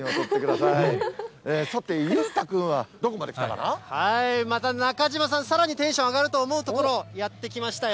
さて、裕太君はどこまで行ったかまた中島さん、さらにテンション上がると思う所、やって来ましたよ。